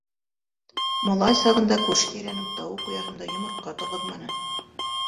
Малай сағында күрше-тирәнең тауыҡ ояһында йомортҡа торғоҙманы.